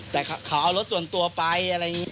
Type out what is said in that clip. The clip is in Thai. แต่เขาเอารถส่วนตัวไปอะไรอย่างนี้